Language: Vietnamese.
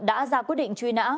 đã ra quyết định truy nã